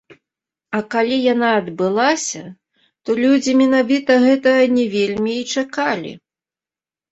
А калі яна адбылася, то людзі менавіта гэтага не вельмі і чакалі.